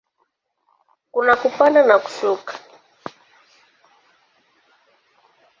Kuna kupanda na kushuka.